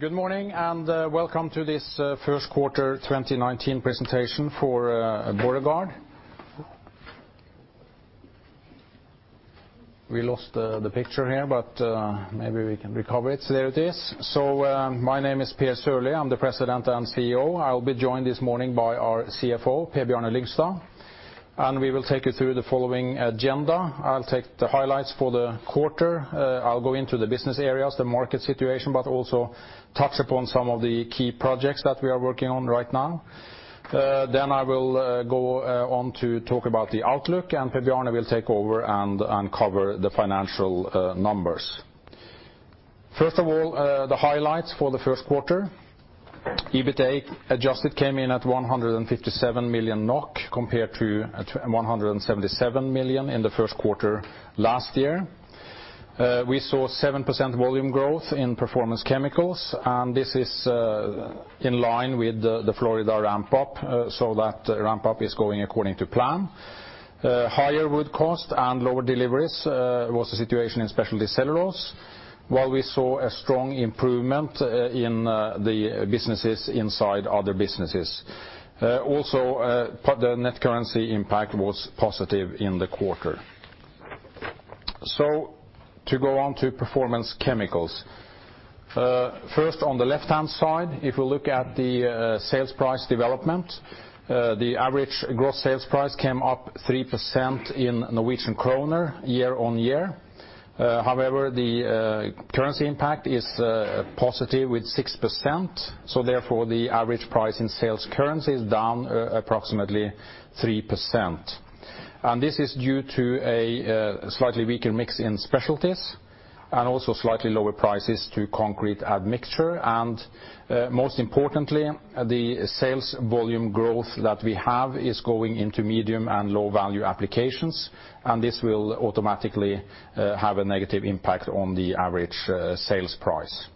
Good morning, welcome to this first quarter 2019 presentation for Borregaard. We lost the picture here, maybe we can recover it. There it is. My name is Per Sørli. I am the President and CEO. I will be joined this morning by our CFO, Per Bjarne Lygstad, we will take you through the following agenda. I will take the highlights for the quarter. I will go into the business areas, the market situation, also touch upon some of the key projects that we are working on right now. I will go on to talk about the outlook, Per Bjarne will take over cover the financial numbers. First of all, the highlights for the first quarter. EBITA adjusted came in at 157 million NOK, compared to 177 million in the first quarter last year. We saw 7% volume growth in performance chemicals, this is in line with the Florida ramp-up, that ramp-up is going according to plan. Higher wood cost, lower deliveries was the situation in speciality cellulose, while we saw a strong improvement in the businesses inside other businesses. The net currency impact was positive in the quarter. To go on to performance chemicals. On the left-hand side, if we look at the sales price development, the average gross sales price came up 3% in Norwegian kroner year-on-year. The currency impact is positive with 6%, the average price in sales currency is down approximately 3%. This is due to a slightly weaker mix in specialties, slightly lower prices to concrete admixture, the sales volume growth that we have is going into medium and low-value applications, this will automatically have a negative impact on the average sales price.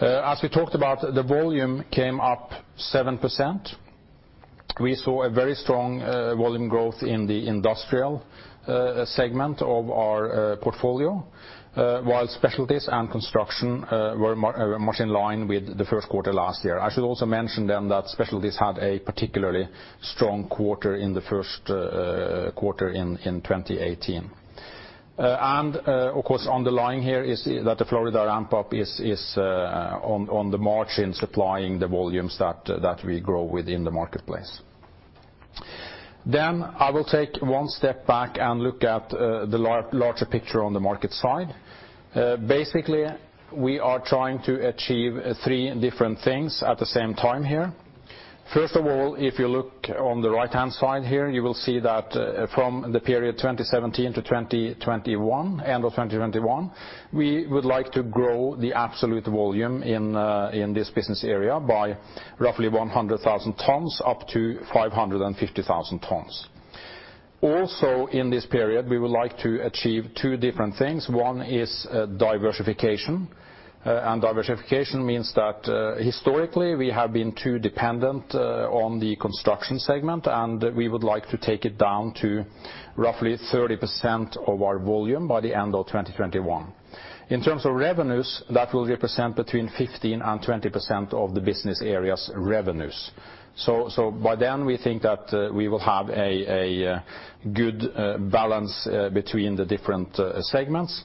As we talked about, the volume came up 7%. We saw a very strong volume growth in the industrial segment of our portfolio, while specialties and construction were much in line with the first quarter last year. I should also mention that specialties had a particularly strong quarter in the first quarter in 2018. Underlying here is that the Florida ramp-up is on the march in supplying the volumes that we grow within the marketplace. I will take one step back look at the larger picture on the market side. Basically, we are trying to achieve three different things at the same time here. If you look on the right-hand side here, you will see that from the period 2017 to 2021, end of 2021, we would like to grow the absolute volume in this business area by roughly 100,000 tons up to 550,000 tons. In this period, we would like to achieve two different things. One is diversification means that historically we have been too dependent on the construction segment, we would like to take it down to roughly 30% of our volume by the end of 2021. In terms of revenues, that will represent between 15%-20% of the business area's revenues. By then, we think that we will have a good balance between the different segments.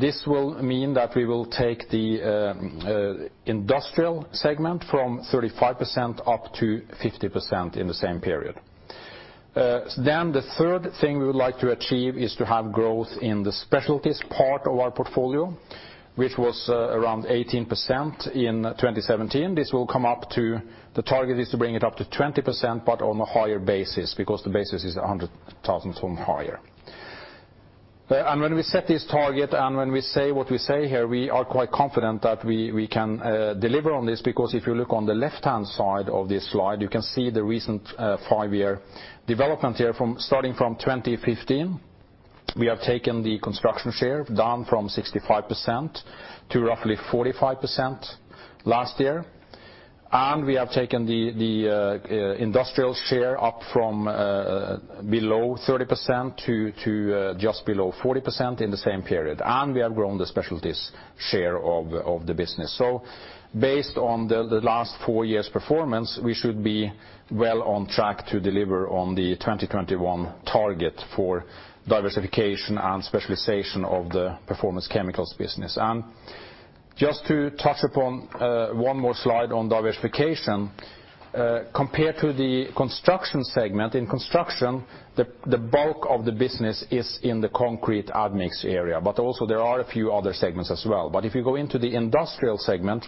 This will mean that we will take the industrial segment from 35% up to 50% in the same period. The third thing we would like to achieve is to have growth in the specialties part of our portfolio, which was around 18% in 2017. This will come up to, the target is to bring it up to 20%, but on a higher basis, because the basis is 100,000 tons higher. When we set this target and when we say what we say here, we are quite confident that we can deliver on this, because if you look on the left-hand side of this slide, you can see the recent five-year development here starting from 2015. We have taken the construction share down from 65% to roughly 45% last year. We have taken the industrial share up from below 30% to just below 40% in the same period. We have grown the specialties share of the business. Based on the last four years' performance, we should be well on track to deliver on the 2021 target for diversification and specialization of the performance chemicals business. Just to touch upon one more slide on diversification, compared to the construction segment, in construction, the bulk of the business is in the concrete admixture area, but also there are a few other segments as well. If you go into the industrial segment,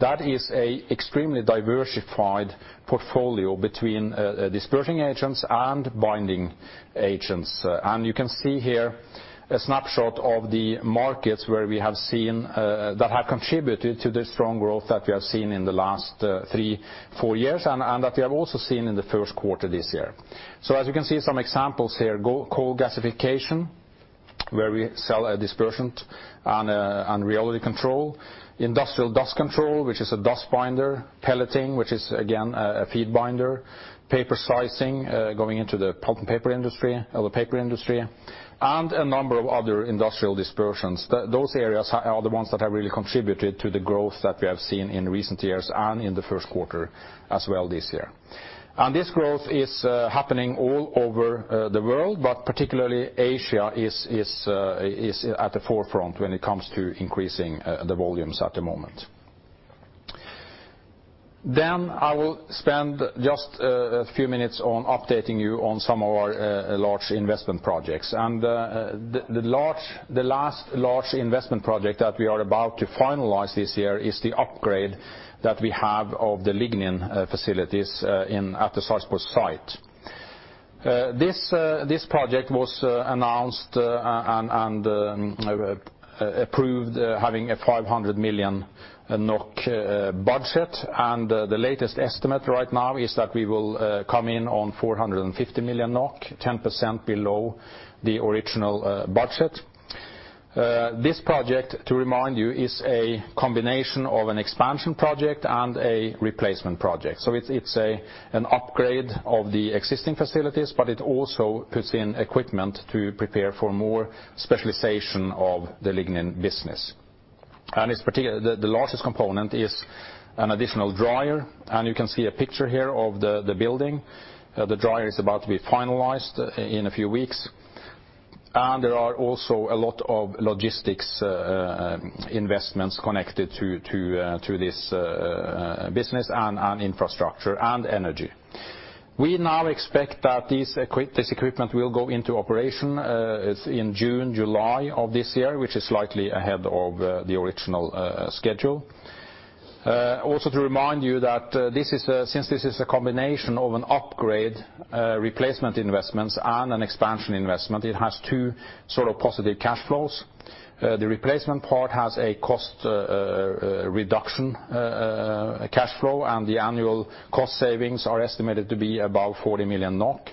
that is an extremely diversified portfolio between dispersing agents and binding agents. You can see here a snapshot of the markets that have contributed to the strong growth that we have seen in the last three, four years and that we have also seen in the first quarter this year. As you can see some examples here, coal gasification, where we sell a dispersion and rheology control. Industrial dust control, which is a dust binder. Pelleting, which is again a feed binder. Paper sizing, going into the pulp and paper industry, or the paper industry. A number of other industrial dispersions. Those areas are the ones that have really contributed to the growth that we have seen in recent years and in the first quarter as well this year. This growth is happening all over the world, but particularly Asia is at the forefront when it comes to increasing the volumes at the moment. I will spend just a few minutes on updating you on some of our large investment projects. The last large investment project that we are about to finalize this year is the upgrade that we have of the lignin facilities at the Sarpsborg site. This project was announced and approved having a 500 million NOK budget, and the latest estimate right now is that we will come in on 450 million NOK, 10% below the original budget. This project, to remind you, is a combination of an expansion project and a replacement project. It's an upgrade of the existing facilities, but it also puts in equipment to prepare for more specialization of the lignin business. The largest component is an additional dryer, and you can see a picture here of the building. The dryer is about to be finalized in a few weeks. There are also a lot of logistics investments connected to this business and infrastructure and energy. We now expect that this equipment will go into operation in June, July of this year, which is slightly ahead of the original schedule. Also to remind you that since this is a combination of an upgrade replacement investments and an expansion investment, it has two sort of positive cash flows. The replacement part has a cost reduction cash flow, and the annual cost savings are estimated to be about 40 million NOK.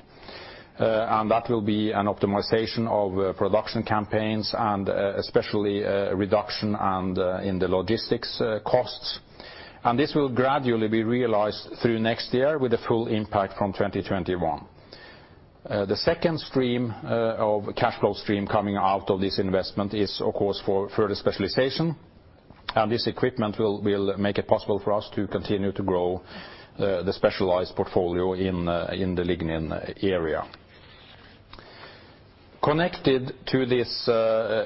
That will be an optimization of production campaigns and especially a reduction in the logistics costs. This will gradually be realized through next year with the full impact from 2021. The second cash flow stream coming out of this investment is, of course, for further specialization. This equipment will make it possible for us to continue to grow the specialized portfolio in the lignin area. Connected to this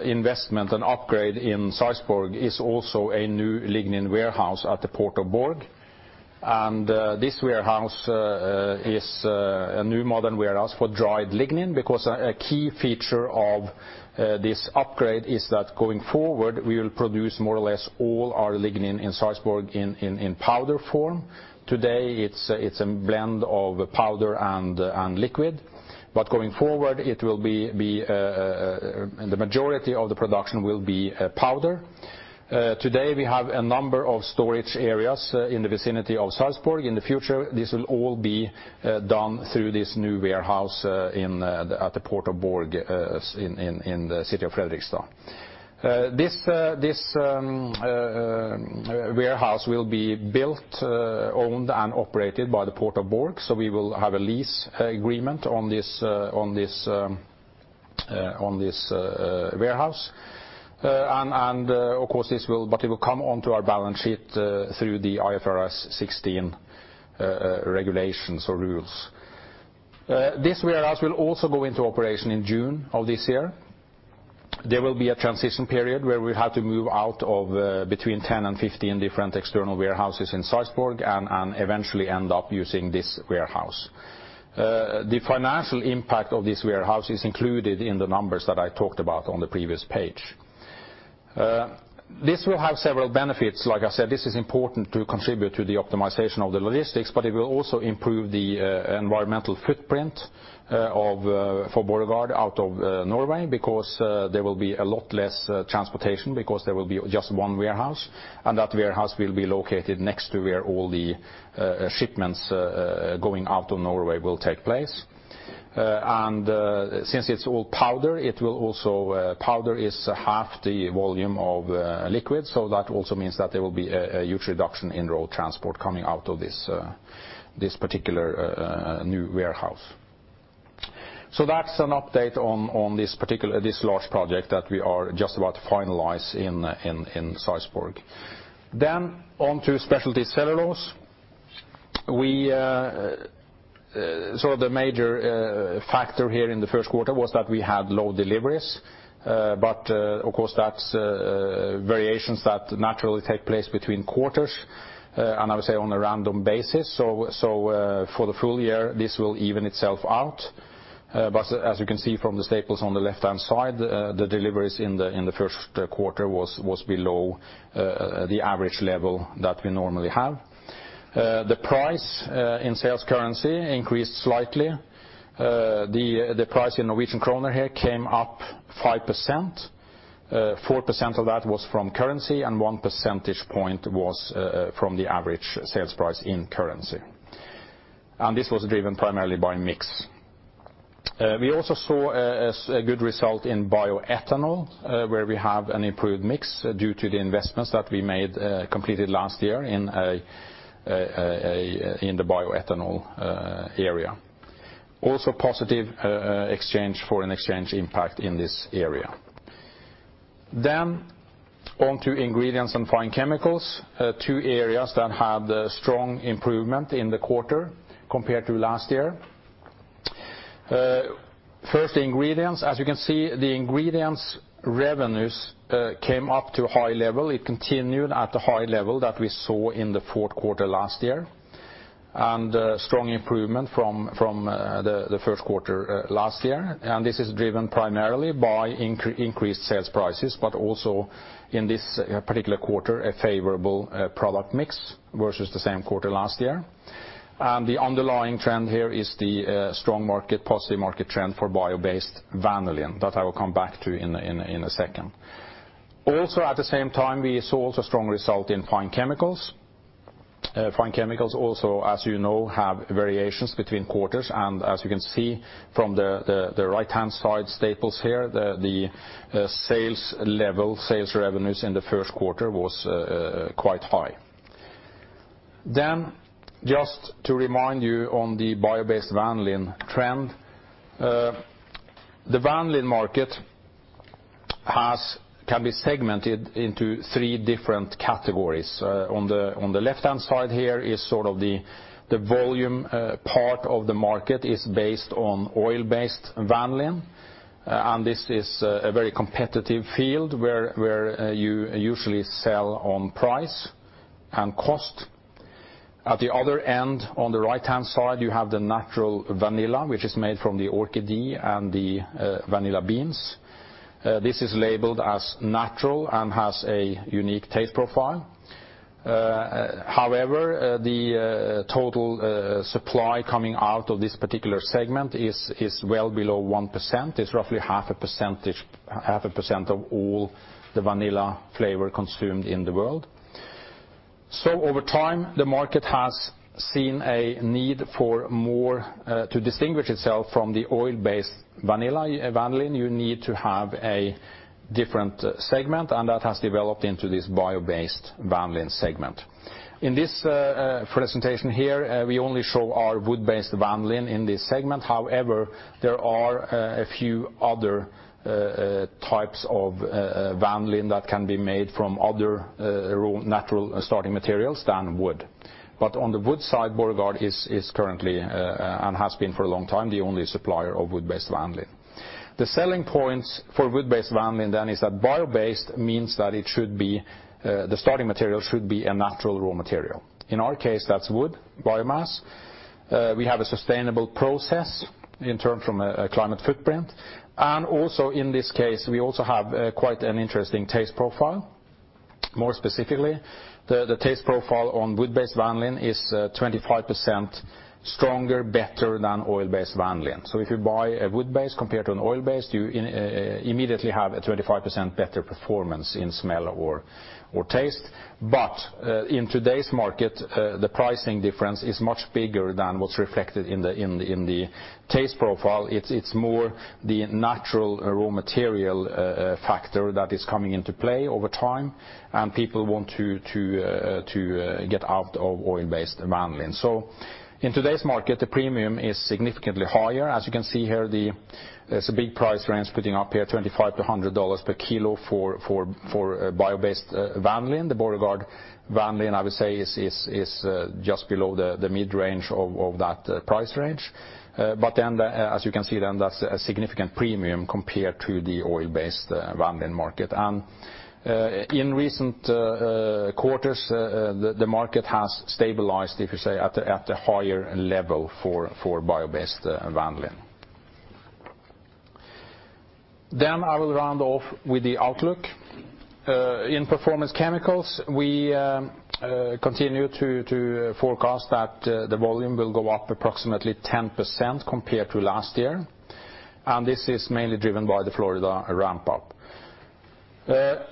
investment and upgrade in Sarpsborg is also a new lignin warehouse at the Port of Borg. This warehouse is a new modern warehouse for dried lignin because a key feature of this upgrade is that, going forward, we will produce more or less all our lignin in Sarpsborg in powder form. Today, it's a blend of powder and liquid. Going forward, the majority of the production will be powder. Today, we have a number of storage areas in the vicinity of Sarpsborg. In the future, this will all be done through this new warehouse at the Port of Borg in the city of Fredrikstad. This warehouse will be built, owned, and operated by the Port of Borg, so we will have a lease agreement on this warehouse. It will come onto our balance sheet through the IFRS 16 regulations or rules. This warehouse will also go into operation in June of this year. There will be a transition period where we have to move out of between 10 and 15 different external warehouses in Sarpsborg and eventually end up using this warehouse. The financial impact of this warehouse is included in the numbers that I talked about on the previous page. This will have several benefits. Like I said, this is important to contribute to the optimization of the logistics, but it will also improve the environmental footprint for Borregaard out of Norway because there will be a lot less transportation, because there will be just one warehouse, and that warehouse will be located next to where all the shipments going out of Norway will take place. Since it's all powder, it will also. Powder is half the volume of liquid, that also means that there will be a huge reduction in road transport coming out of this particular new warehouse. That's an update on this large project that we are just about to finalize in Sarpsborg. On to specialty cellulose. The major factor here in the first quarter was that we had low deliveries. Of course, that's variations that naturally take place between quarters, and I would say on a random basis. For the full year, this will even itself out. As you can see from the staples on the left-hand side, the deliveries in the first quarter was below the average level that we normally have. The price in sales currency increased slightly. The price in NOK here came up 5%. 4% of that was from currency and one percentage point was from the average sales price in currency. This was driven primarily by mix. We also saw a good result in bioethanol, where we have an improved mix due to the investments that we made, completed last year in the bioethanol area. Also positive foreign exchange impact in this area. Then on to ingredients and Fine Chemicals, two areas that had a strong improvement in the quarter compared to last year. First, ingredients. As you can see, the ingredients revenues came up to a high level. It continued at a high level that we saw in the fourth quarter last year, and a strong improvement from the first quarter last year. This is driven primarily by increased sales prices, but also, in this particular quarter, a favorable product mix versus the same quarter last year. The underlying trend here is the strong market, positive market trend for bio-based vanillin that I will come back to in a second. Also, at the same time, we saw also strong result in Fine Chemicals. Fine Chemicals also, as you know, have variations between quarters. As you can see from the right-hand side staples here, the sales level, sales revenues in the first quarter was quite high. Just to remind you on the bio-based vanillin trend. The vanillin market can be segmented into three different categories. On the left-hand side here is sort of the volume part of the market is based on oil-based vanillin. This is a very competitive field where you usually sell on price and cost. At the other end, on the right-hand side, you have the natural vanilla, which is made from the orchid and the vanilla beans. This is labeled as natural and has a unique taste profile. However, the total supply coming out of this particular segment is well below 1%. It's roughly half a percent of all the vanilla flavor consumed in the world. Over time, the market has seen a need for more to distinguish itself from the oil-based vanillin. You need to have a different segment. That has developed into this bio-based vanillin segment. In this presentation here, we only show our wood-based vanillin in this segment. However, there are a few other types of vanillin that can be made from other raw natural starting materials than wood. But on the wood side, Borregaard is currently, and has been for a long time, the only supplier of wood-based vanillin. The selling points for wood-based vanillin is that bio-based means that the starting material should be a natural raw material. In our case, that's wood, biomass. We have a sustainable process in term from a climate footprint. Also in this case, we also have quite an interesting taste profile. More specifically, the taste profile on wood-based vanillin is 25% stronger, better than oil-based vanillin. If you buy a wood-based compared to an oil-based, you immediately have a 25% better performance in smell or taste. In today's market, the pricing difference is much bigger than what's reflected in the taste profile. It's more the natural raw material factor that is coming into play over time, and people want to get out of oil-based vanillin. In today's market, the premium is significantly higher. As you can see here, there's a big price range splitting up here, $25-$100 per kilo for bio-based vanillin. The Borregaard vanillin, I would say, is just below the mid-range of that price range. Then, as you can see, that's a significant premium compared to the oil-based vanillin market. In recent quarters, the market has stabilized, if you say, at a higher level for bio-based vanillin. I will round off with the outlook. In Performance Chemicals, we continue to forecast that the volume will go up approximately 10% compared to last year, and this is mainly driven by the Florida ramp up.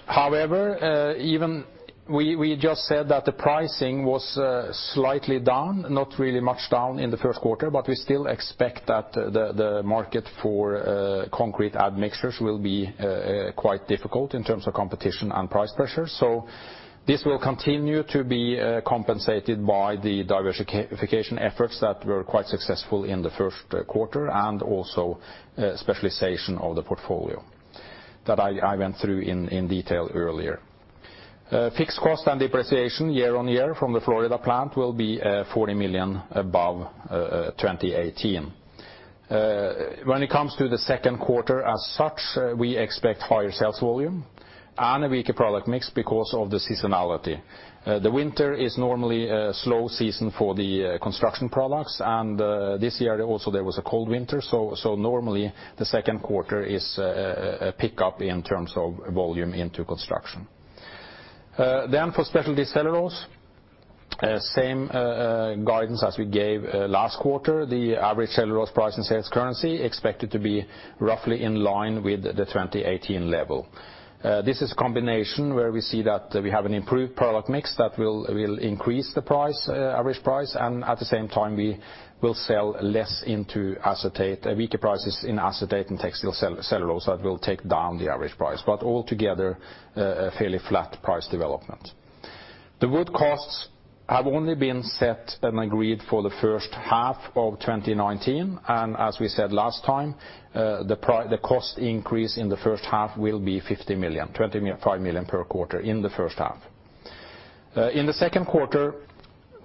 However, we just said that the pricing was slightly down, not really much down in the first quarter, but we still expect that the market for concrete admixtures will be quite difficult in terms of competition and price pressure. This will continue to be compensated by the diversification efforts that were quite successful in the first quarter and also specialization of the portfolio that I went through in detail earlier. Fixed cost and depreciation year-over-year from the Florida plant will be 40 million above 2018. When it comes to the second quarter as such, we expect higher sales volume and a weaker product mix because of the seasonality. The winter is normally a slow season for the construction products, and this year also there was a cold winter. Normally the second quarter is a pickup in terms of volume into construction. For speciality cellulose, same guidance as we gave last quarter. The average cellulose price and sales currency expected to be roughly in line with the 2018 level. This is a combination where we see that we have an improved product mix that will increase the average price, and at the same time, we will sell less into acetate, weaker prices in acetate and textile cellulose. That will take down the average price. Altogether, a fairly flat price development. The wood costs have only been set and agreed for the first half of 2019. As we said last time, the cost increase in the first half will be 50 million, 25 million per quarter in the first half. In the second quarter,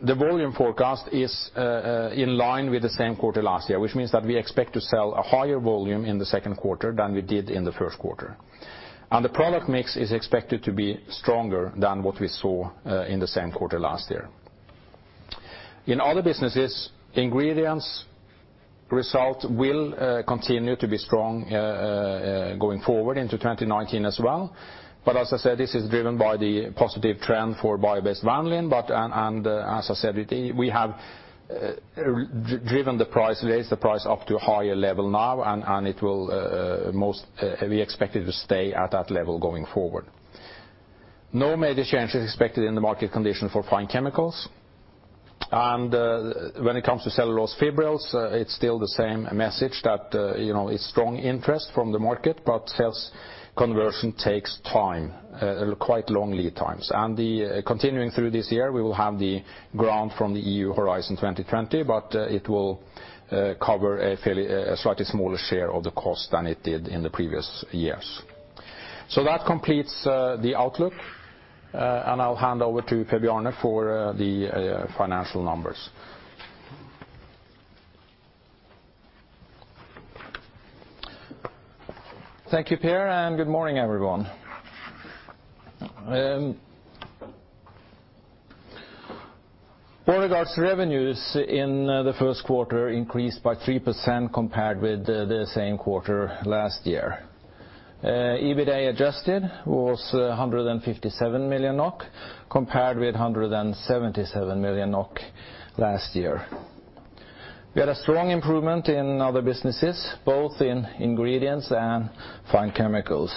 the volume forecast is in line with the same quarter last year, which means that we expect to sell a higher volume in the second quarter than we did in the first quarter. The product mix is expected to be stronger than what we saw in the same quarter last year. In other businesses, ingredients result will continue to be strong going forward into 2019 as well, but as I said, this is driven by the positive trend for bio-based vanillin. As I said, we have driven the price, raised the price up to a higher level now, and we expect it to stay at that level going forward. No major change is expected in the market condition for Fine Chemicals. When it comes to cellulose fibrils, it's still the same message that it's strong interest from the market, but sales conversion takes time, quite long lead times. The continuing through this year, we will have the grant from the EU Horizon 2020, but it will cover a slightly smaller share of the cost than it did in the previous years. That completes the outlook, and I'll hand over to Per Bjarne for the financial numbers. Thank you, Per, good morning, everyone. Borregaard's revenues in the first quarter increased by 3% compared with the same quarter last year. EBITDA adjusted was 157 million NOK, compared with 177 million NOK last year. We had a strong improvement in other businesses, both in ingredients and Fine Chemicals.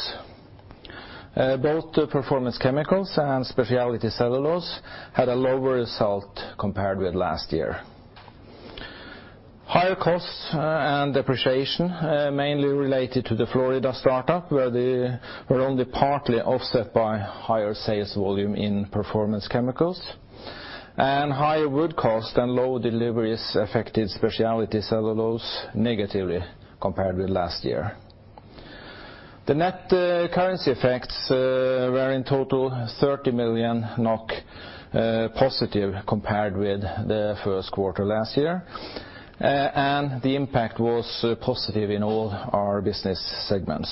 Both the performance chemicals and speciality cellulose had a lower result compared with last year. Higher costs and depreciation, mainly related to the Florida startup, were only partly offset by higher sales volume in performance chemicals, and higher wood cost and low deliveries affected speciality cellulose negatively compared with last year. The net currency effects were in total 30 million NOK positive compared with the first quarter last year. The impact was positive in all our business segments.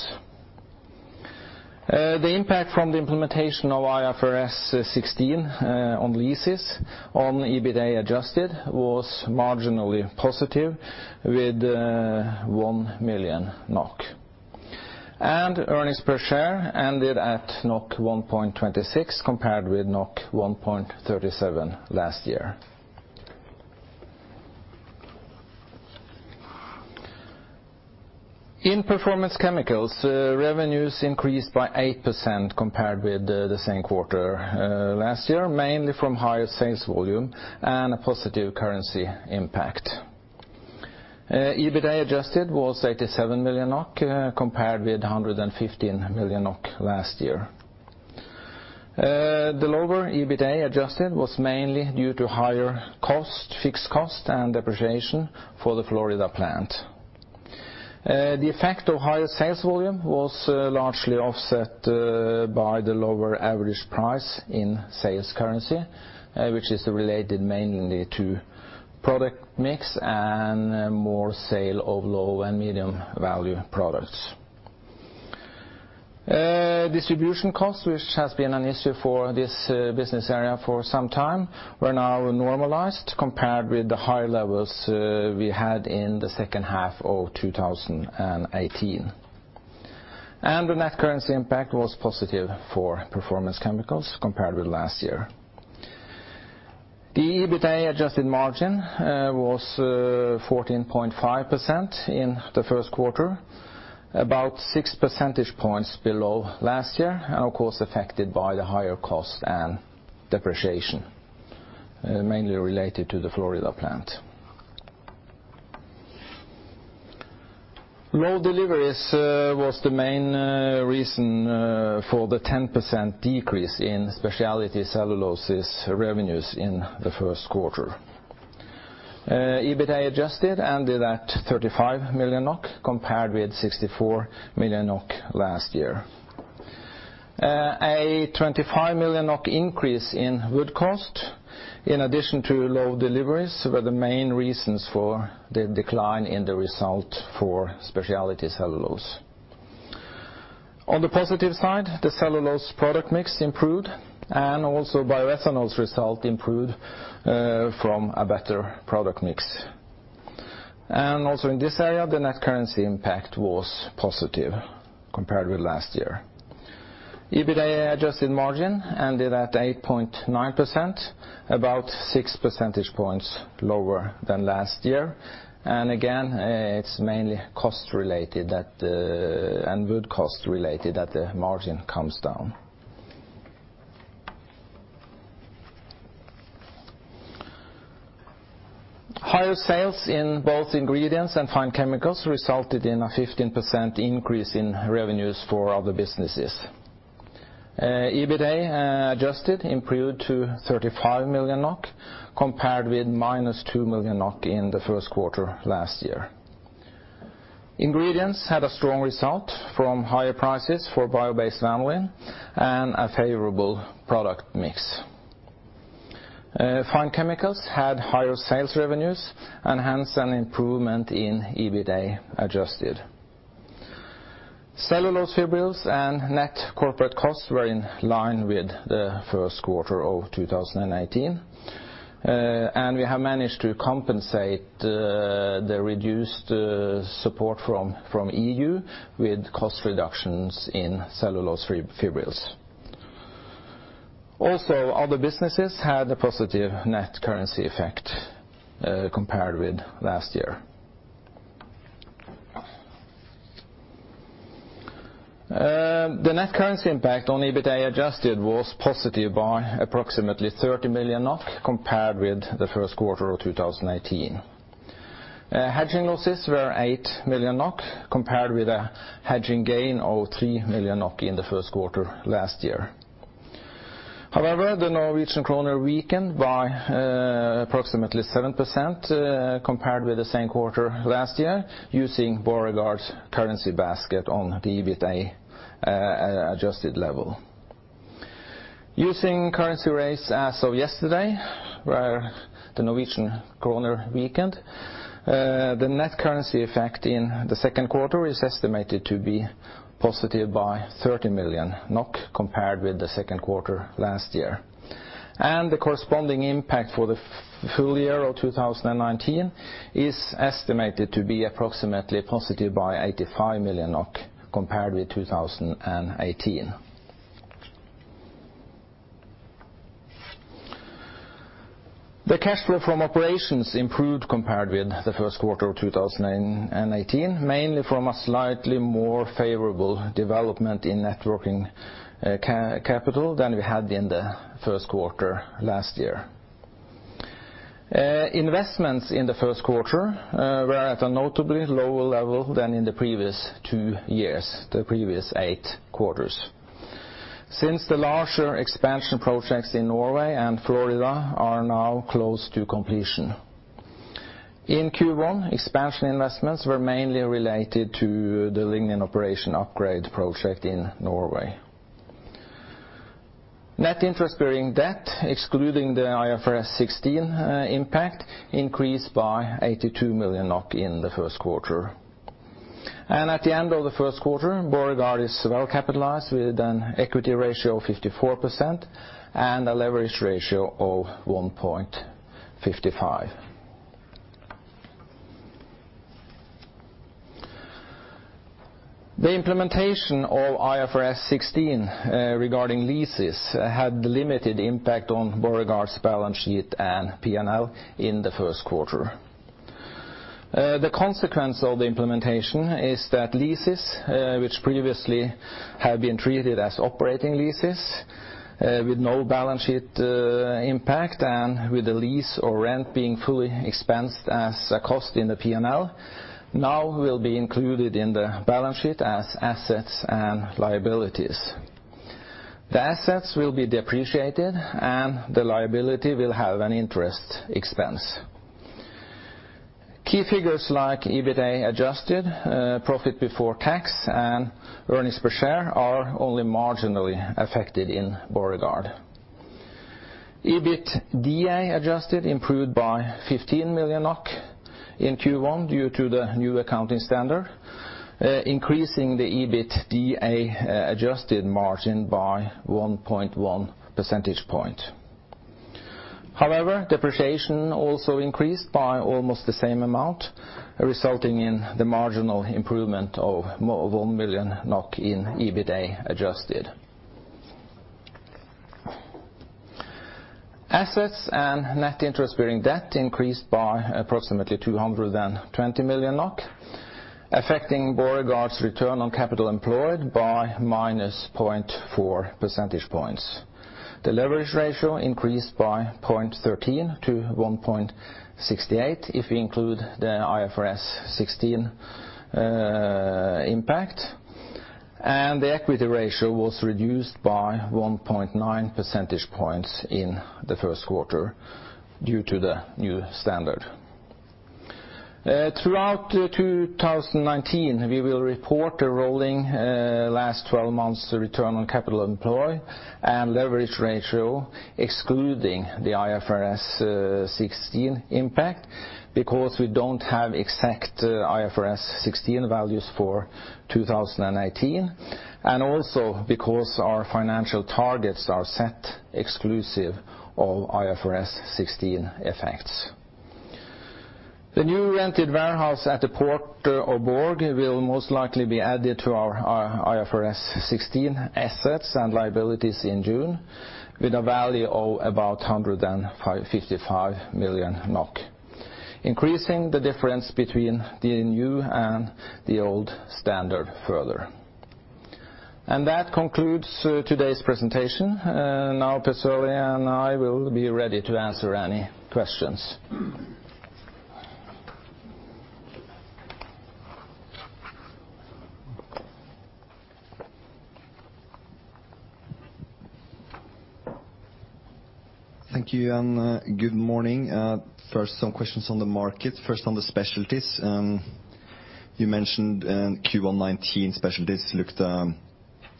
The impact from the implementation of IFRS 16 on leases on the EBITDA adjusted was marginally positive with 1 million NOK. Earnings per share ended at 1.26 compared with 1.37 last year. In performance chemicals, revenues increased by 8% compared with the same quarter last year, mainly from higher sales volume and a positive currency impact. EBITDA adjusted was 87 million NOK compared with 115 million NOK last year. The lower EBITDA adjusted was mainly due to higher fixed cost and depreciation for the Florida plant. The effect of higher sales volume was largely offset by the lower average price in sales currency, which is related mainly to product mix and more sale of low and medium value products. Distribution costs, which has been an issue for this business area for some time, were now normalized compared with the high levels we had in the second half of 2018. The net currency impact was positive for performance chemicals compared with last year. The EBITDA adjusted margin was 14.5% in the first quarter, about six percentage points below last year, and of course, affected by the higher cost and depreciation, mainly related to the Florida plant. Low deliveries was the main reason for the 10% decrease in speciality cellulose's revenues in the first quarter. EBITDA adjusted ended at 35 million NOK, compared with 64 million NOK last year. A 25 million NOK increase in wood cost, in addition to low deliveries, were the main reasons for the decline in the result for speciality cellulose. On the positive side, the cellulose product mix improved, and also bioethanol's result improved from a better product mix. Also in this area, the net currency impact was positive compared with last year. EBITDA adjusted margin ended at 8.9%, about six percentage points lower than last year. Again, it's mainly cost related, and wood cost related, that the margin comes down. Higher sales in both ingredients and Fine Chemicals resulted in a 15% increase in revenues for other businesses. EBITDA adjusted improved to 35 million NOK, compared with minus 2 million NOK in the first quarter last year. Ingredients had a strong result from higher prices for bio-based vanillin and a favorable product mix. Fine Chemicals had higher sales revenues and hence an improvement in EBITDA adjusted. Cellulose fibrils and net corporate costs were in line with the first quarter of 2018. We have managed to compensate the reduced support from EU with cost reductions in cellulose fibrils. Also, other businesses had a positive net currency effect compared with last year. The net currency impact on EBITDA adjusted was positive by approximately 30 million NOK compared with the first quarter of 2018. Hedging losses were 8 million NOK, compared with a hedging gain of 3 million NOK in the first quarter last year. However, the Norwegian kroner weakened by approximately 7% compared with the same quarter last year using Borregaard's currency basket on the EBITDA adjusted level. Using currency rates as of yesterday, where the Norwegian kroner weakened, the net currency effect in the second quarter is estimated to be positive by 30 million NOK compared with the second quarter last year. The corresponding impact for the full year of 2019 is estimated to be approximately positive by 85 million NOK compared with 2018. The cash flow from operations improved compared with the first quarter of 2018, mainly from a slightly more favorable development in net working capital than we had in the first quarter last year. Investments in the first quarter were at a notably lower level than in the previous two years, the previous eight quarters, since the larger expansion projects in Norway and Florida are now close to completion. In Q1, expansion investments were mainly related to the lignin operation upgrade project in Norway. Net interest-bearing debt, excluding the IFRS 16 impact, increased by 82 million NOK in the first quarter. At the end of the first quarter, Borregaard is well capitalized with an equity ratio of 54% and a leverage ratio of 1.55. The implementation of IFRS 16 regarding leases had limited impact on Borregaard's balance sheet and P&L in the first quarter. The consequence of the implementation is that leases, which previously had been treated as operating leases with no balance sheet impact and with the lease or rent being fully expensed as a cost in the P&L, now will be included in the balance sheet as assets and liabilities. The assets will be depreciated, and the liability will have an interest expense. Key figures like EBITDA adjusted, profit before tax, and earnings per share are only marginally affected in Borregaard. EBITDA adjusted improved by 15 million NOK in Q1 due to the new accounting standard, increasing the EBITDA adjusted margin by 1.1 percentage point. However, depreciation also increased by almost the same amount, resulting in the marginal improvement of more than 1 million NOK in EBITDA adjusted. Assets and net interest-bearing debt increased by approximately 220 million NOK, affecting Borregaard's return on capital employed by minus 0.4 percentage points. The leverage ratio increased by 0.13 to 1.68 if we include the IFRS 16 impact. The equity ratio was reduced by 1.9 percentage points in the first quarter due to the new standard. Throughout 2019, we will report a rolling last 12 months return on capital employed and leverage ratio excluding the IFRS 16 impact because we don't have exact IFRS 16 values for 2018, and also because our financial targets are set exclusive of IFRS 16 effects. The new rented warehouse at the Port of Borg will most likely be added to our IFRS 16 assets and liabilities in June, with a value of about 155 million NOK, increasing the difference between the new and the old standard further. That concludes today's presentation. Per Sørlie and I will be ready to answer any questions. Thank you, and good morning. Some questions on the market. On the specialties. You mentioned in Q1 2019, specialties looked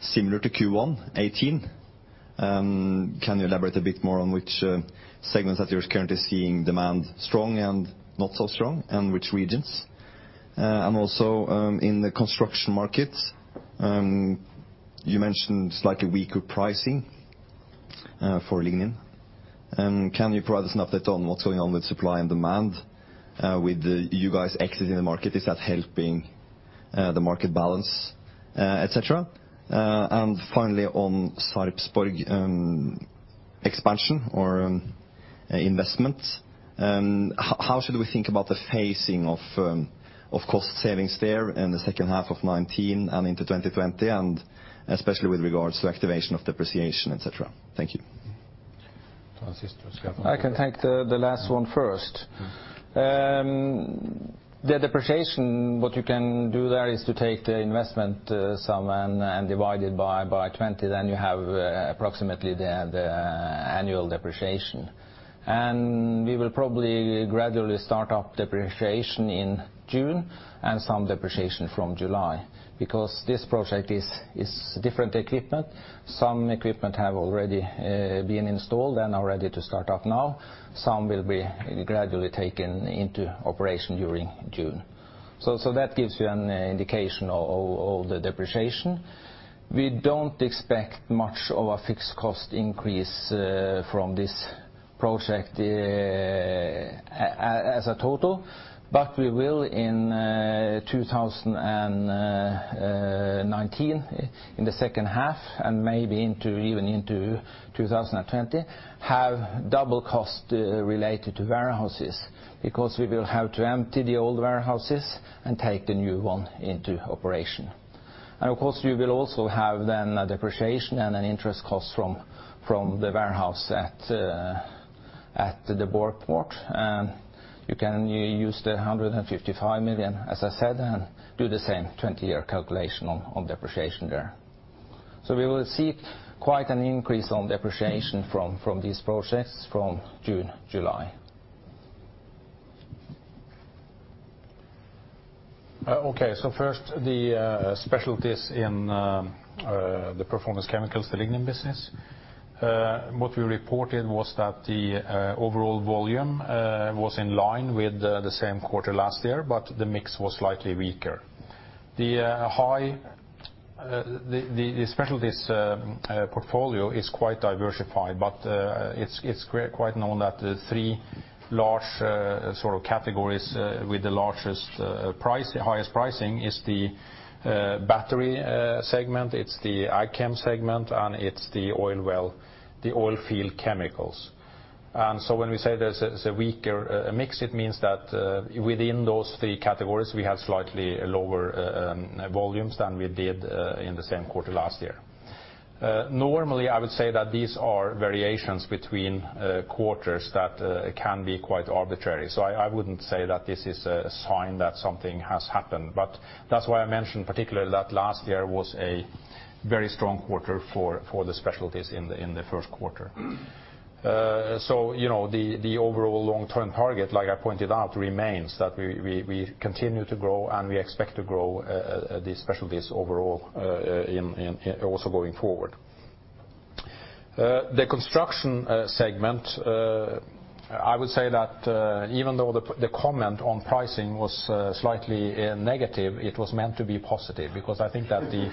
similar to Q1 2018. Can you elaborate a bit more on which segments that you're currently seeing demand strong and not so strong, and which regions? Also, in the construction market, you mentioned slightly weaker pricing for lignin. Can you provide us an update on what's going on with supply and demand with you guys exiting the market? Is that helping the market balance, et cetera? Finally, on Sarpsborg expansion or investment. How should we think about the phasing of cost savings there in the second half of 2019 and into 2020, and especially with regards to activation of depreciation, et cetera? Thank you. I'll just I can take the last one first. The depreciation, what you can do there is to take the investment sum and divide it by 20. You have approximately the annual depreciation. We will probably gradually start up depreciation in June and some depreciation from July, because this project is different equipment. Some equipment have already been installed and are ready to start up now. Some will be gradually taken into operation during June. That gives you an indication of the depreciation. We don't expect much of a fixed cost increase from this project as a total, but we will, in 2019, in the second half and maybe even into 2020, have double cost related to warehouses, because we will have to empty the old warehouses and take the new one into operation. We will also have a depreciation and an interest cost from the warehouse at the Borg port. You can use the 155 million, as I said, and do the same 20-year calculation on depreciation there. We will see quite an increase on depreciation from these projects from June, July. Okay. First, the specialties in the performance chemicals, the lignin business. What we reported was that the overall volume was in line with the same quarter last year, but the mix was slightly weaker. The specialties portfolio is quite diversified, but it's quite known that the three large categories with the highest pricing is the battery segment, it's the I-Chem segment, and it's the oilfield chemicals. When we say there's a weaker mix, it means that within those three categories, we have slightly lower volumes than we did in the same quarter last year. Normally, I would say that these are variations between quarters that can be quite arbitrary. I wouldn't say that this is a sign that something has happened. That's why I mentioned particularly that last year was a very strong quarter for the specialties in the first quarter. The overall long-term target, like I pointed out, remains that we continue to grow and we expect to grow these specialties overall also going forward. The construction segment, I would say that even though the comment on pricing was slightly negative, it was meant to be positive, because I think that the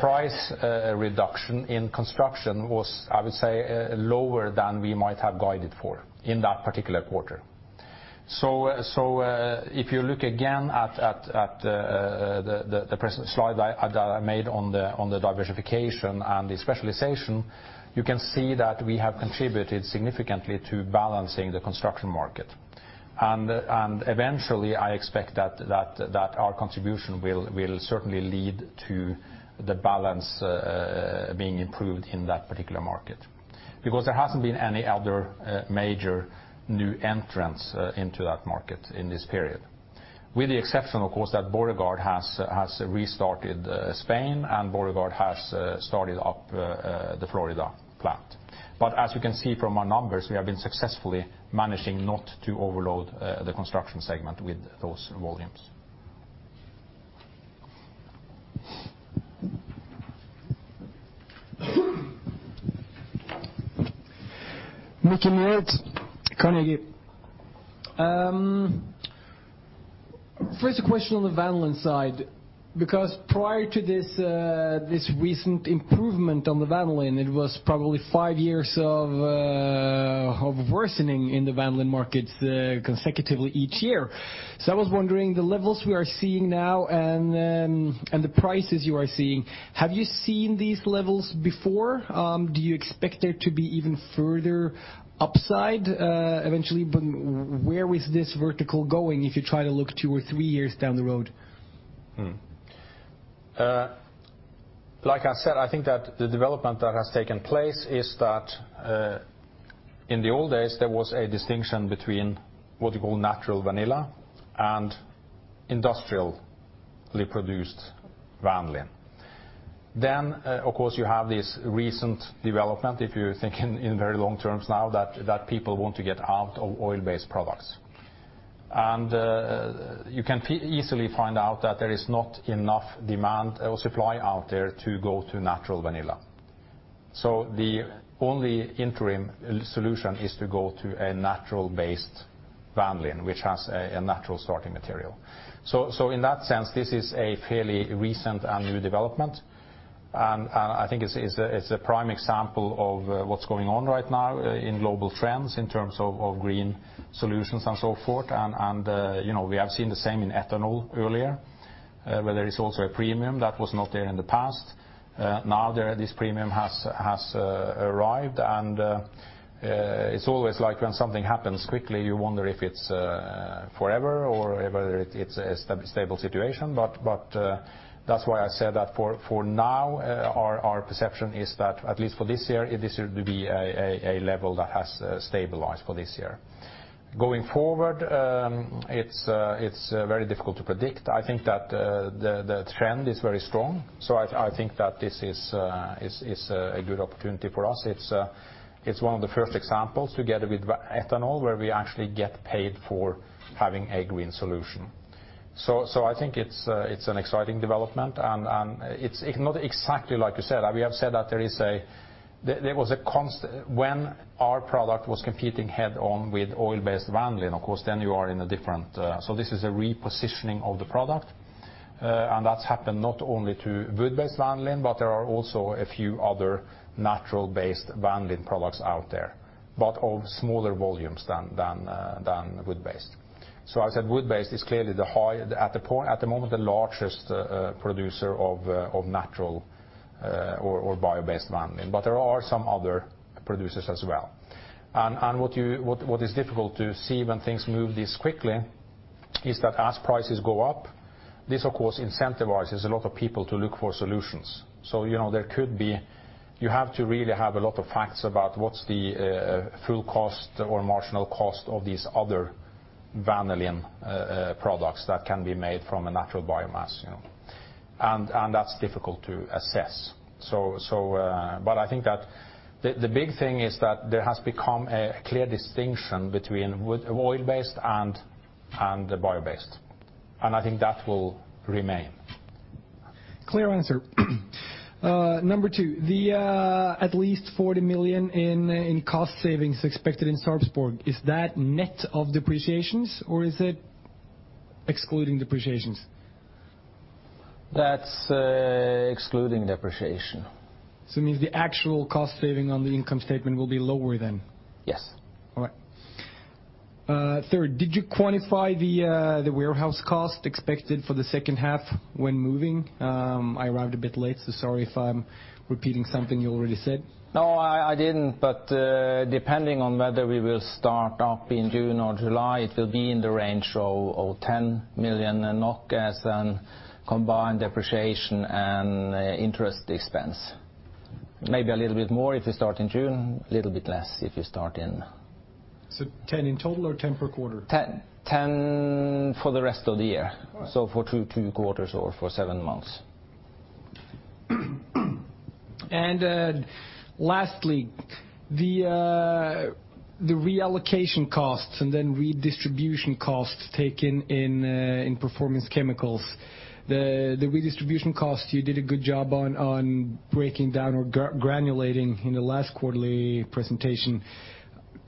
price reduction in construction was, I would say, lower than we might have guided for in that particular quarter. If you look again at the slide that I made on the diversification and the specialization, you can see that we have contributed significantly to balancing the construction market. Eventually, I expect that our contribution will certainly lead to the balance being improved in that particular market, because there hasn't been any other major new entrants into that market in this period. With the exception, of course, that Borregaard has restarted Spain, and Borregaard has started up the Florida plant. As you can see from our numbers, we have been successfully managing not to overload the construction segment with those volumes. Mikael Mead, Carnegie. First question on the vanillin side, because prior to this recent improvement on the vanillin, it was probably 5 years of worsening in the vanillin markets consecutively each year. I was wondering, the levels we are seeing now and the prices you are seeing, have you seen these levels before? Do you expect there to be even further upside eventually? Where is this vertical going if you try to look two or three years down the road? Like I said, I think that the development that has taken place is that in the old days, there was a distinction between what you call natural vanilla and industrially produced vanillin. Of course, you have this recent development, if you're thinking in very long terms now, that people want to get out of oil-based products. You can easily find out that there is not enough supply out there to go to natural vanilla. The only interim solution is to go to a natural-based vanillin, which has a natural starting material. In that sense, this is a fairly recent and new development. I think it's a prime example of what's going on right now in global trends in terms of green solutions and so forth. We have seen the same in ethanol earlier, where there is also a premium. That was not there in the past. Now, this premium has arrived, and it's always like when something happens quickly, you wonder if it's forever or whether it's a stable situation. That's why I said that for now, our perception is that at least for this year, this will be a level that has stabilized for this year. Going forward, it's very difficult to predict. I think that the trend is very strong, I think that this is a good opportunity for us. It's one of the first examples together with ethanol, where we actually get paid for having a green solution. I think it's an exciting development, and it's not exactly like you said. We have said that when our product was competing head-on with oil-based vanillin, of course, then you are in a different. This is a repositioning of the product. That's happened not only to wood-based vanillin, but there are also a few other natural-based vanillin products out there, but of smaller volumes than wood-based. As I said, wood-based is clearly, at the moment, the largest producer of natural or bio-based vanillin, but there are some other producers as well. What is difficult to see when things move this quickly is that as prices go up, this of course incentivizes a lot of people to look for solutions. You have to really have a lot of facts about what's the full cost or marginal cost of these other vanillin products that can be made from a natural biomass. That's difficult to assess. I think that the big thing is that there has become a clear distinction between oil-based and bio-based. I think that will remain. Clear answer. Number 2, the at least 40 million in cost savings expected in Sarpsborg, is that net of depreciations, or is it excluding depreciations? That's excluding depreciation. It means the actual cost saving on the income statement will be lower then? Yes. All right. Third, did you quantify the warehouse cost expected for the second half when moving? I arrived a bit late, so sorry if I'm repeating something you already said. No, I didn't. Depending on whether we will start up in June or July, it will be in the range of 10 million NOK as combined depreciation and interest expense. Maybe a little bit more if we start in June, a little bit less if we start in- 10 in total or 10 per quarter? 10 for the rest of the year. All right. For 2 quarters or for 7 months. Lastly, the reallocation costs and redistribution costs taken in Performance Chemicals. The redistribution costs you did a good job on breaking down or granulating in the last quarterly presentation.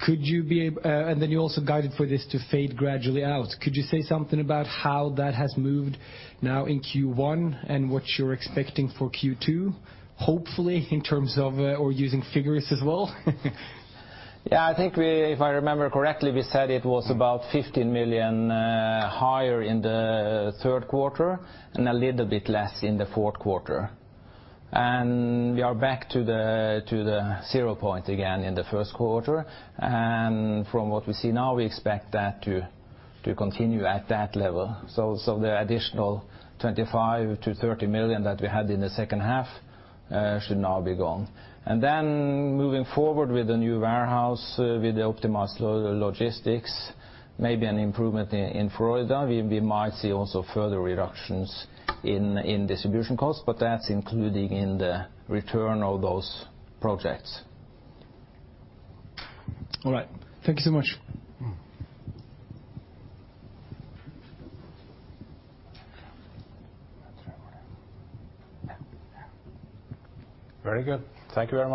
You also guided for this to fade gradually out. Could you say something about how that has moved now in Q1 and what you're expecting for Q2, hopefully, in terms of, or using figures as well? I think if I remember correctly, we said it was about 15 million higher in the third quarter and a little bit less in the fourth quarter. We are back to the zero point again in the first quarter. From what we see now, we expect that to continue at that level. The additional 25 million-30 million that we had in the second half should now be gone. Moving forward with the new warehouse, with the optimized logistics, maybe an improvement in Florida. We might see also further reductions in distribution costs, but that's including in the return of those projects. All right. Thank you so much. Very good. Thank you very much.